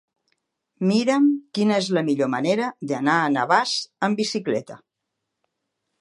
Mira'm quina és la millor manera d'anar a Navàs amb bicicleta.